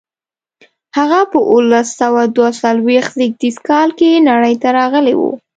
هغه په اوولس سوه دوه څلویښت زېږدیز کال کې نړۍ ته راغلی و.